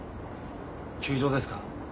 休場ですか？